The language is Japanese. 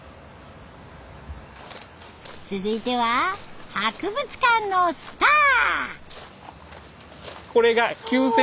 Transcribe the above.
続いては博物館のスター。